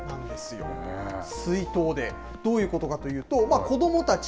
どういうことかというと子どもたち